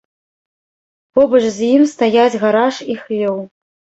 Побач з ім стаяць гараж і хлеў.